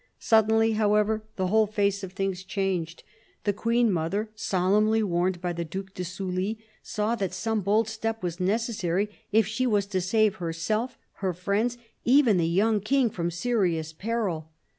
Suddenly, however, the whole face of things 86 CARDINAL DE RICHELIEU changed. The Queen mother, solemnly warned by the Due de Sully, saw that some bold step was necessary if she was to save herself, her friends, even the young King, from serious peril.